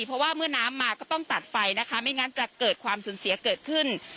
เพราะว่าเมื่อน้ำมาก็ต้องตัดไฟนะคะไม่งั้นจะเกิดความสูญเสียเกิดขึ้น